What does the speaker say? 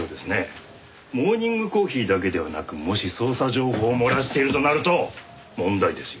モーニングコーヒーだけではなくもし捜査情報を漏らしているとなると問題ですよ。